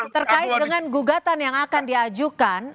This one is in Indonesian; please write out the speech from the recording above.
terkait dengan gugatan yang akan diajukan